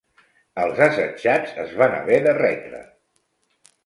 Els assetjats es van haver de retre.